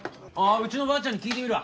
うちのばあちゃんに聞いてみるわ。